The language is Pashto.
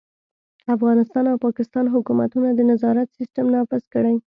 افغانستان او پاکستان حکومتونه د نظارت سیستم نافذ کړي.